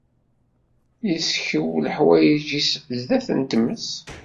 Yesskew leḥwayeǧ-is sdat n tmes.